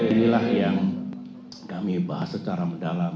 inilah yang kami bahas secara mendalam